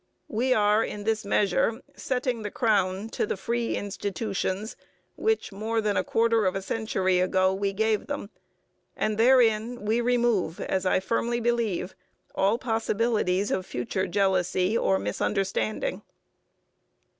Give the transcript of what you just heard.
We are in this measure setting the crown to the free institutions which more than a quarter of a century ago we gave them, and therein we remove, as I firmly believe, all possibilities of future jealousy or misunderstanding.